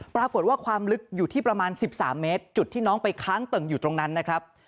ปรากฏว่าความลึกอยู่ที่ประมาณ๑๓เมตรจุดที่น้องไปค้างตึ่งอยู่ตรงนั้นนะครับ